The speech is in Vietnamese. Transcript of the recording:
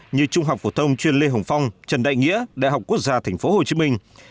như trung học phổ thông chuyên lê hồng phong trần đại nghĩa đại học quốc gia thành phố hồ chí minh